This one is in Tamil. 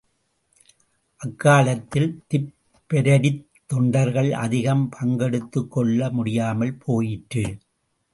அக்காலத்தில் திப்பெரரித் தொண்டர்கள் அதிகம் பங்கெடுத்துக் கொள்ள முடியாமல் போயிற்று.